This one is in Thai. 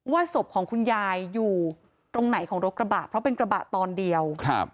ศพของคุณยายอยู่ตรงไหนของรถกระบะเพราะเป็นกระบะตอนเดียวครับ